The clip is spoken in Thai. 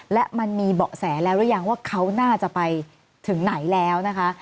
และมันมีเบาะแสแล้วหรือยังว่าเขาน่าจะไปถึงไหนแล้วนะคะ